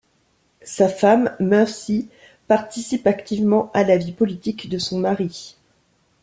Sa femme, Mercy, participe activement à la vie politique de son mari.